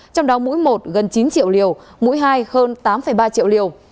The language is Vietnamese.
trong đó mũi một gần chín triệu liều mũi hai hơn tám ba triệu liều